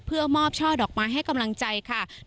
เพื่อมอบช่อดอกไม้ให้กำลังใจความถ้าผิด